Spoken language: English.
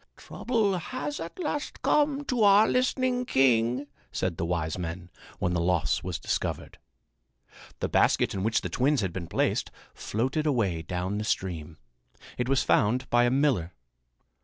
"Trouble has at last come to our listening king," said the wise men, when the loss was discovered. The basket in which the twins had been placed floated away down the stream. It was found by a miller.